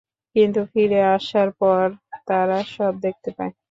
কিন্তু ফিরে আসার পর তারা সব দেখতে পায়।